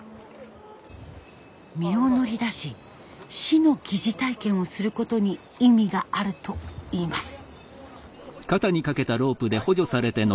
身を乗り出し死の疑似体験をすることに意味があるといいます。